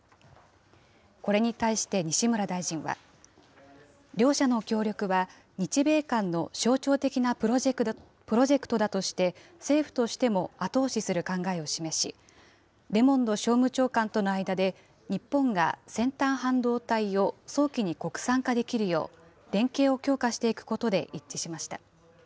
これに対して西村大臣は、両社の協力は、日米間の象徴的なプロジェクトだとして、政府としても後押しする考えを示し、レモンド商務長官との間で、日本が先端半導体を早期に国産化できるよう、連携を強化していくことで一致しました。